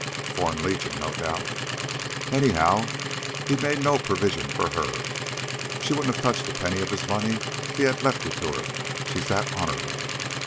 "Foreign Legion, no doubt." "Anyhow, he never made no pervision for her. But she wouldn't of touched a penny of his money if he'd left it to her, she's that honorable."